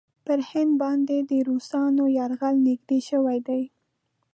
پر هند باندې د روسانو یرغل نېږدې شوی دی.